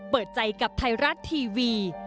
เปิดใจกับไทยรัฐทีวี